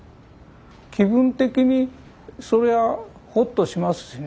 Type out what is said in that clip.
気分的にそれはほっとしますしね。